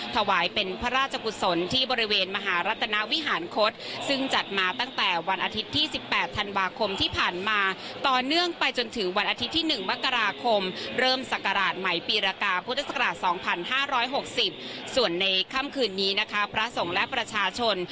ส่วนในค่ำคืนนี้นะครับพระสงฆ์และประชาชน